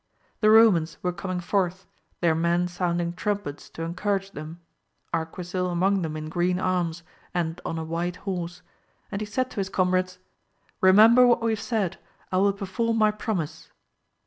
The Eomans were coming forth, their men sounding trumpets to encourage them, Arquisil among them in green arms, and on a white horse, and he said to his comrades, remember what we have said, I will perform my pro mise.